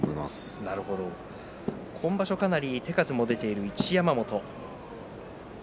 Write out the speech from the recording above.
今場所かなり手数も出ている一山本です。